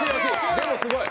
でもすごい！